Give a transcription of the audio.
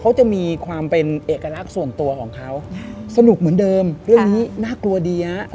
เขาจะมีความเป็นเอกลักษณ์ส่วนตัวของเขาสนุกเหมือนเดิมเรื่องนี้น่ากลัวดีฮะ